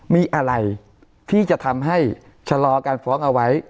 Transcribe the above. มีอะไรที่จะทำให้ชะลอการฟ้องเอาไว้